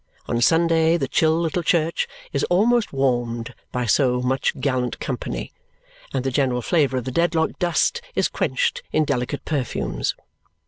On Sunday the chill little church is almost warmed by so much gallant company, and the general flavour of the Dedlock dust is quenched in delicate perfumes.